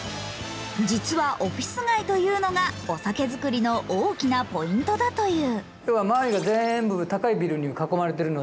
実はオフィス街というのがお酒造りの大きなポイントだという。